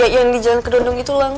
yang di jalan ke donong itu